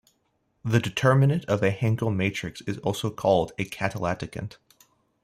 The determinant of a Hankel matrix is called a catalecticant.